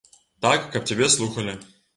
Так, каб цябе слухалі.